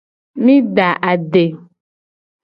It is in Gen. Mi da ade.